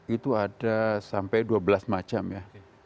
itu ada sampai dua belas macam ya